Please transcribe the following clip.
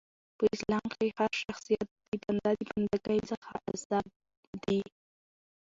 په اسلام کښي هرشخصیت د بنده د بنده ګۍ څخه ازاد دي .